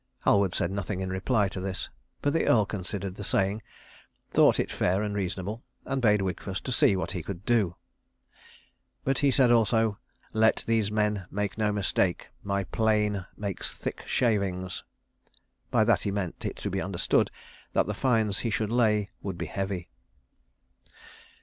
Halward said nothing in reply to this; but the Earl considered the saying, thought it fair and reasonable, and bade Wigfus see what he could do. But he said also, "Let these men make no mistake. My plane makes thick shavings." By that he meant it to be understood that the fines he should lay would be heavy.